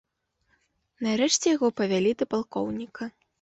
Нарэшце яго павялі да палкоўніка.